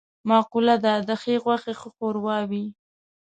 مقوله ده: د ښې غوښې ښه شوروا وي.